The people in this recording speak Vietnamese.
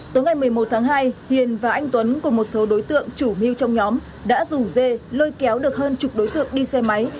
tối ngày một mươi một tháng hai hiền và anh tuấn cùng một số đối tượng chủ mưu trong nhóm đã rủ dê lôi kéo được hơn chục đối tượng đi xe máy